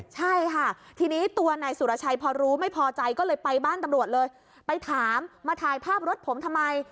ใช่ค่ะทีนี้ตัวนายสุรชัยพอรู้ไม่พอใจก็เลยไปบ้านตำรวจเลยไปถามมาถ่ายภาพรถผมทำไม